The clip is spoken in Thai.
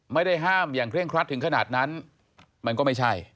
ไม่ได้ห้ามอย่างเคร่งครัดถึงขนาดนั้นมันก็ไม่ใช่